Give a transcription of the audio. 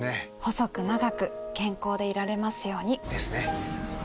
細く長く健康でいられますように。ですね。